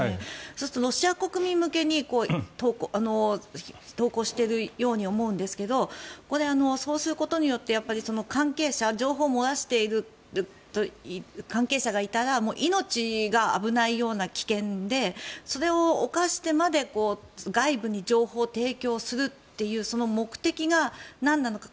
そうするとロシア国民向けに投稿しているように思うんですがこれ、そうすることによって情報を漏らしている関係者がいたら命が危ないような危険でそれを冒してまで外部に情報を提供するというその目的がなんなのか。